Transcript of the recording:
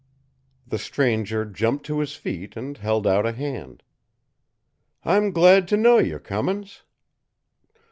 The stranger jumped to his feet and held out a hand. "I'm glad to know you, Cummins."